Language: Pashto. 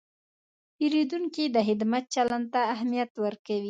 پیرودونکی د خدمت چلند ته اهمیت ورکوي.